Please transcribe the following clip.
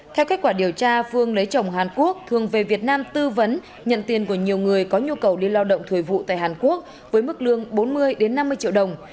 theo kết quả điều tra phương lấy chồng hàn quốc thường về việt nam tư vấn nhận tiền của nhiều người có nhu cầu đi lao động thời vụ tại hàn quốc với mức lương bốn mươi năm mươi triệu đồng